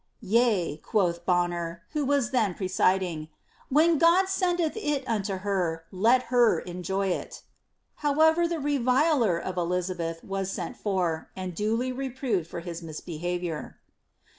" Yea," quoth Bonner, who was then presiding, " when God sendeth it unto her, let her enjoy it." However, the reviler of Elizabeth was sent for, and duly reproved for his misbehaviour.